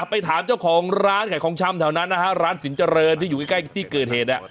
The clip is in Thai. ไปถามเจ้าของร้านขายของชำแถวนั้นนะฮะร้านสินเจริญที่อยู่ใกล้ที่เกิดเหตุ